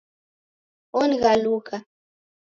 Onighaluka